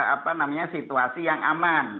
apa namanya situasi yang aman